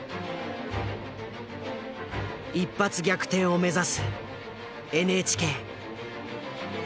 一発逆転を目指すＮＨＫ。